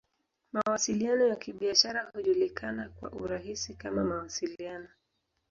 Mawasiliano ya Kibiashara hujulikana kwa urahisi kama "Mawasiliano.